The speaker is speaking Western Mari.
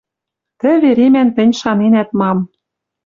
Тӹ веремӓн тӹнь шаненӓт мам.